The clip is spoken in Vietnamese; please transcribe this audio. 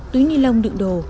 túi ni lông đựng đồ